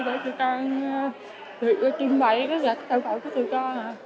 để tụi con truyền bày cái tàu phẩm của tụi con